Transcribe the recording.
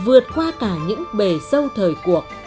vượt qua cả những bề sâu thời cuộc